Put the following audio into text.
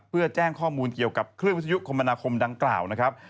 เพื่อแจ้งข้อมูลเกี่ยวกับคลื่นวิทยุคมนาคมดังกล่าวนะครับ